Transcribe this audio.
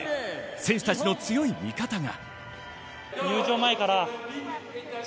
選手たちの強い味方が。